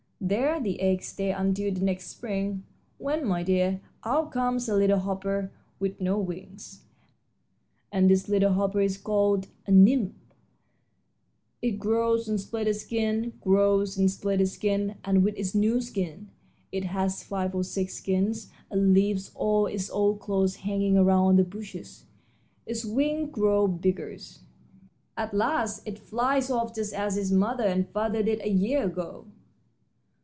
There the eggs stay until next spring, when, my dear, out comes a little hopper with no wings, and this little hopper is called a nymph. It grows and splits its skin, grows and splits its skin, and with its new skin it has five or six skins, and leaves all its old clothes hanging around on the bushes its wings grow bigger and bigger. At last it flies off just as its mother and father did a year ago."